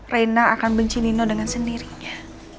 reina akan benci nino dengan sendirinya